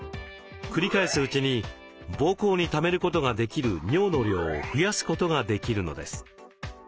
繰り返すうちに膀胱にためることができる尿の量を増やすことができるのです。